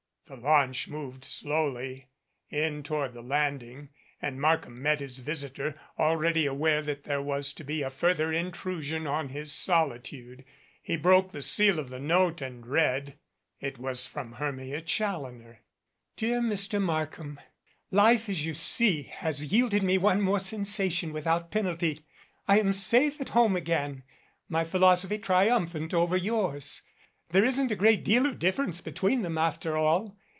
The launch moved slowly in to ward the landing and Markham met his visitor, already aware that there was to be a further intrusion on his solitude. He broke the seal of the note and read. It was from Hermia Challoner. DEAR MR. MARKHAM: Life, as you see, has yielded me one more sensation with out penalty. I am safe at home again, my philosophy tri umphant over yours. There isn't a great deal of difference between them after all.